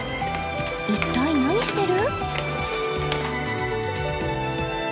一体何してる？